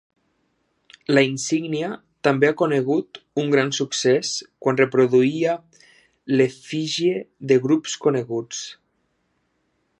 La insígnia també ha conegut un gran succés quan reproduïa l'efígie de grups coneguts.